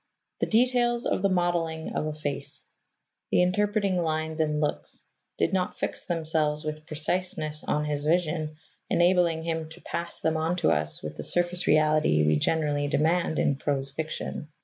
The details of the modelling of a face, the interpreting lines and looks, did not fix themselves with preciseness on his vision enabling him to pass them on to us with the surface reality we generally demand in prose fiction.